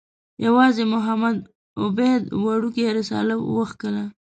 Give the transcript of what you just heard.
یوازې محمد عبده وړکۍ رساله وکښله.